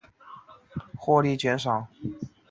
拉巴斯蒂多纳人口变化图示